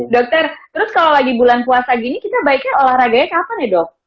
dokter terus kalau lagi bulan puasa gini kita baiknya olahraganya kapan ya dok